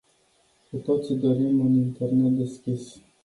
Cu toții dorim un internet deschis.